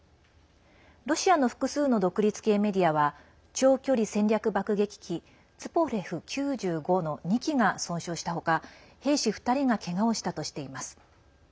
ロシアの複数の独立系メディアは長距離戦略爆撃機「ツポレフ９５」の２機が損傷した他兵士２人がけがをしたとしています。